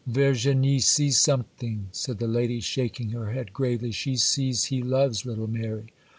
'Virginie sees something!' said the lady, shaking her head gravely; 'she sees he loves little Mary.